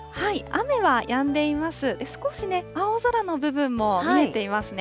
少し青空の部分も見えていますね。